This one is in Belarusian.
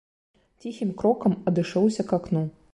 Ціхім крокам адышоўся к акну.